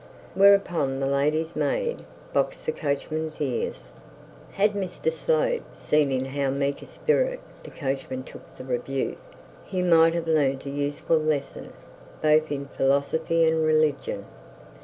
Whereupon the lady's maid boxed the coachman's ears. Had Mr Slope seen in how meek a spirit the coachman took the rebuke, he might have learnt a useful lesson, both in philosophy and religion.